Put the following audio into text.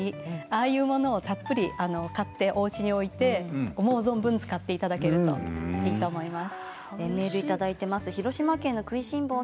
ああいうものをたっぷり買っておうちに置いて思う存分使っていただけるといいと思います。